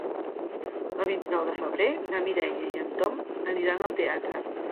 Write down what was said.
El vint-i-nou de febrer na Mireia i en Tom aniran al teatre.